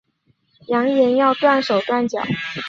扬言要断手断脚